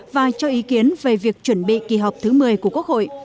và cho ý kiến về việc chuẩn bị kỳ họp thứ một mươi của quốc hội